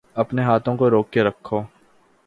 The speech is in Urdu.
اپنے ہاتھوں کو روک کے رکھو